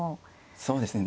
そうですね。